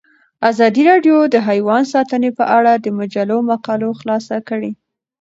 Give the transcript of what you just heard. ازادي راډیو د حیوان ساتنه په اړه د مجلو مقالو خلاصه کړې.